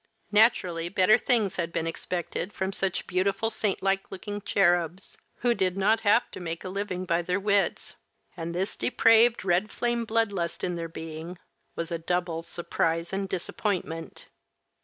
Naturally better things had been expected from such beautiful, saint like looking cherubs, who did not have to make a living by their wits, and this depraved, red flame blood lust in their being was a double surprise and disappointment.